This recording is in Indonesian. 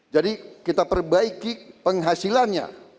jadi kita perbaiki penghasilannya